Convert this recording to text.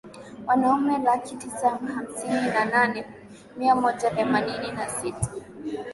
Wanaume laki tisa hamsini na nane mia moja themanini na sita